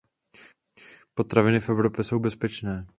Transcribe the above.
Potraviny v Evropě jsou bezpečné.